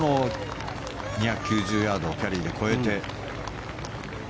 ２９０ヤードをキャリーで越えて。